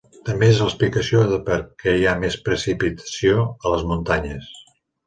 També és l'explicació de per què hi ha més precipitació a les muntanyes.